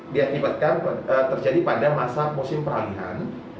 biar nipatkan terjadi pada masa musim peralihan